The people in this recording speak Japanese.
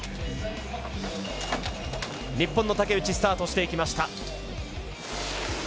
日本の竹内スタートしていきました。